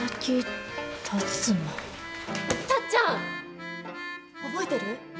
タッちゃん！覚えてる？